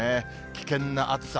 危険な暑さ。